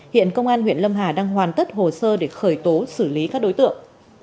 hiện công an huyện lâm hà đang hoàn tất hồ sơ để khởi tố xử lý các đối tượng